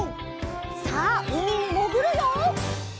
さあうみにもぐるよ！